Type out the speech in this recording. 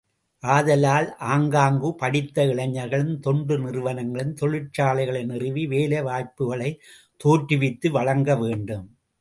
ஆதலால் ஆங்காங்குப் படித்த இளைஞர்களும் தொண்டு நிறுவனங்களும் தொழிற்சாலைகளை நிறுவி வேலை வாய்ப்புக்களைத் தோற்றுவித்து வழங்க வேண்டும்.